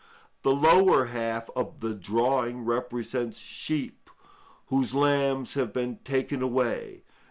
The lower half of the drawing represents sheep whose lambs have been taken away.